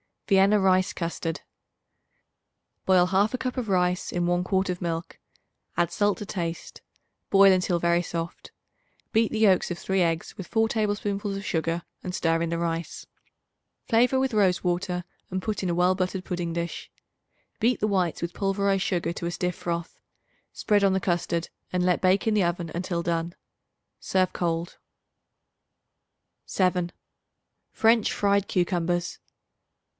Vienna Rice Custard. Boil 1/2 cup of rice in 1 quart of milk; add salt to taste; boil until very soft. Beat the yolks of 3 eggs with 4 tablespoonfuls of sugar and stir in the rice. Flavor with rose water and put in a well buttered pudding dish. Beat the whites with pulverized sugar to a stiff froth; spread on the custard and let bake in the oven until done. Serve cold. 7. French Fried Cucumbers.